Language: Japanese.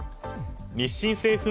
日清製粉